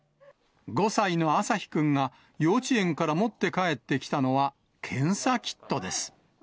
５歳の朝陽くんが、幼稚園から持って帰ってきたのは、検査キットです。